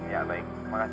ya baik terima kasih